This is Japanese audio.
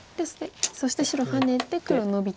そして白ハネて黒ノビと。